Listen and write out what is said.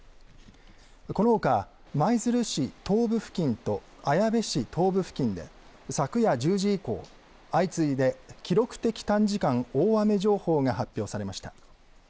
このほか舞鶴市東部付近と綾部市東部付近で昨夜１０時以降、相次いで記録的短時間大雨情報が発表されました。